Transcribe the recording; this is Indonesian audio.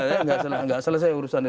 tidak selesai urusan itu